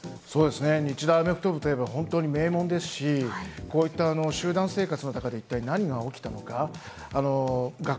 日大アメフト部といえば名門ですし、こういった集団生活の中で一体何が起きたのか？